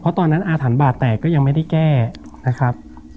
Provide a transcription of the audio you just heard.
เพราะตอนนั้นอาถรรพ์บาดแตกก็ยังไม่ได้แก้นะครับ